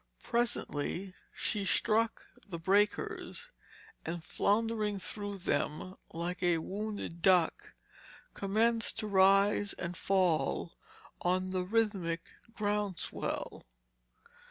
Presently she struck the breakers and floundering through them like a wounded duck, commenced to rise and fall on the rhythmic ground swell.